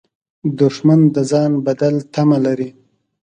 دښمن د ځان بدل تمه لري